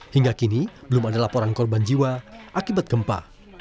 hingga kini belum ada laporan korban jiwa akibat gempa